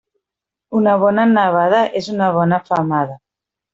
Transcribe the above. Una bona nevada és una bona femada.